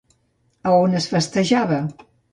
A on es festejava?